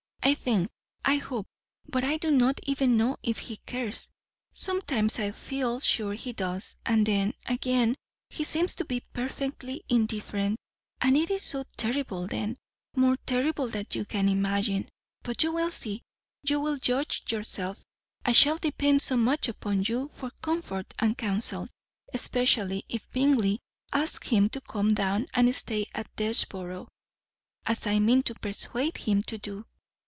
I think I hope but I do not even know if he cares. Sometimes I feel sure he does, and then, again, he seems to be perfectly indifferent, and it is so terrible then, more terrible than you can imagine. But you will see you will judge for yourself; I shall depend so much upon you for comfort and counsel, especially if Bingley asks him to come down and stay at Desborough, as I mean to persuade him to do."